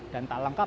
dan tak lengkap